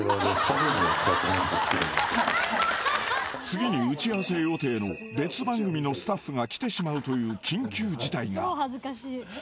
［次に打ち合わせ予定の別番組のスタッフが来てしまうという緊急事態が］